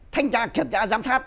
thanh tra kiểm tra giám sát